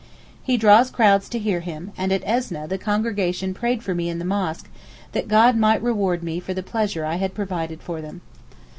He draws crowds to hear him, and at Esneh the congregation prayed for me in the mosque that God might reward me for the pleasure I had provided for them.